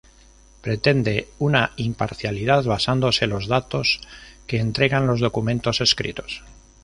Pretende una imparcialidad basándose los datos que entregan los documentos escritos.